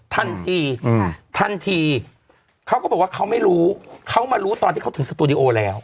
ทันทีอืมทันทีทันทีเขาก็บอกว่าเขาไม่รู้เขามารู้ตอนที่เขาถึงสตูดิโอแล้ว